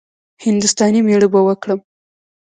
هـنـدوستانی ميړه به وکړم.